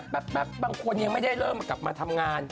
แป๊บบางคนยังไม่ได้เริ่มมากลับมาทำงาน